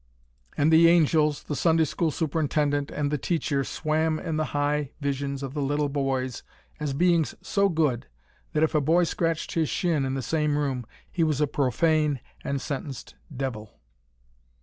And the angels, the Sunday school superintendent, and the teacher swam in the high visions of the little boys as beings so good that if a boy scratched his shin in the same room he was a profane and sentenced devil.